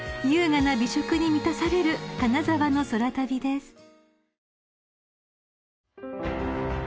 ［優雅な美食に満たされる金沢の空旅です］